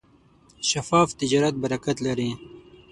شفاف تجارت برکت لري.